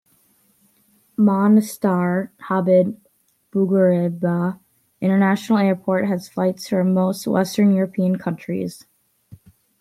Monastir - Habib Bourguiba International Airport has flights from most Western European countries.